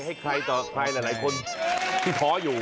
ให้ใครต่อใครหลายคนที่ท้ออยู่